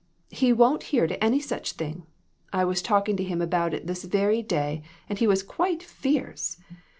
" He won't hear to any such thing. I was talking to him about it this very day, and he was quite fierce.